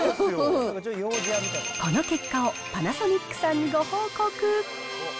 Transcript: この結果をパナソニックさんにご報告。